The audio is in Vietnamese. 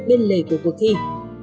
biên lề của cuộc thi